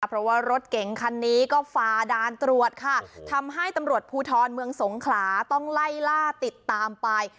เพราะว่ารถเก๋งคันนี้ก็ฝ่าด่านตรวจค่ะทำให้ตำรวจภูทรเมืองสงขลาต้องไล่ล่าติดตามไป